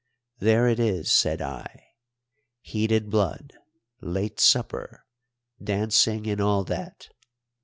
There it is! said I; heated blood, late supper, dancing, and all that.